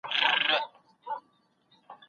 چی تبليغ کوي نڅيږي چې قرآن لولي ششنيږي